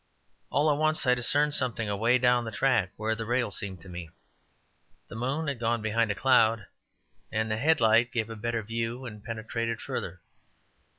All at once I discerned something away down the track where the rails seemed to meet. The moon had gone behind a cloud, and the headlight gave a better view and penetrated further.